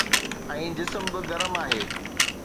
۽ جسم به گرم آهي.